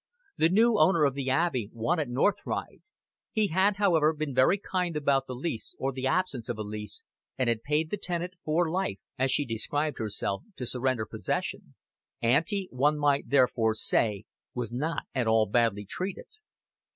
The new owner of the Abbey wanted North Ride. He had, however, been very kind about the lease or the absence of a lease, and had paid the tenant for life, as she described herself, to surrender possession. Auntie, one might therefore say, was not at all badly treated.